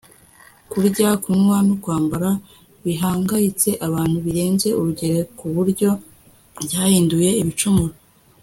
kurya, kunywa, no kwambara bihangayitse abantu birenze urugero ku buryo byabahindukiye ibicumuro